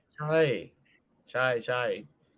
ใช่ใช่ใช่